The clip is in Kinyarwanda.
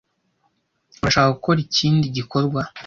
Urashaka gukora ikindi gikorwa?